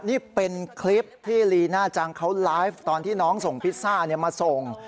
นี่เป็นคลิปที่ลีน่าจังเขาไลฟ์ตอนที่น้องส่งพิซซ่ามาส่ง